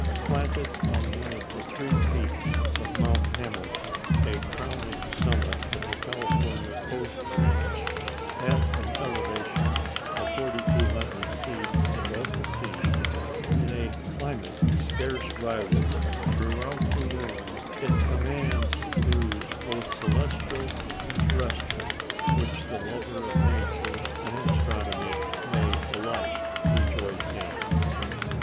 Planted on one of the three peaks of Mount Hamilton, a crowning summit of the Californian Coast Range, at an elevation of 4,200 feet above the sea, in a climate scarce rivalled throughout the world, it commands views both celestial and terrestrial which the lover of nature and astronomy may alike rejoice in.